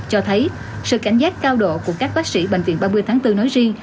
cho thấy sự cảnh giác cao độ của các bác sĩ bệnh viện ba mươi tháng bốn nói riêng